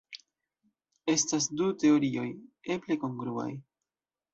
Estas du teorioj eble kongruaj.